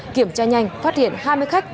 kiểm tra nhanh phát hiện hai mươi khách